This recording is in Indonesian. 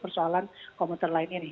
soalan komputer lain ini